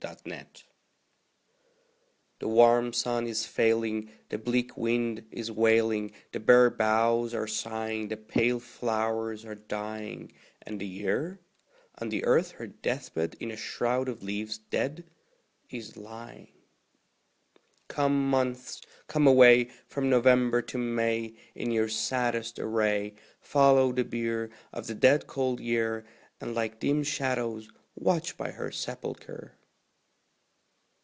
8 Autoplay The warm sun is falling, the bleak wind is wailing, The bare boughs are sighing, the pale flowers are dying, And the Year On the earth is her death bed, in a shroud of leaves dead, Is lying. Come, Months, come away, From November to May, In your saddest array; Follow the bier Of the dead cold Year, And like dim shadows watch by her sepulchre.